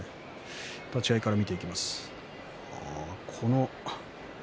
立ち合いから見ていきます。